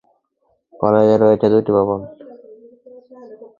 কলেজে রয়েছে দুইটি ভবন।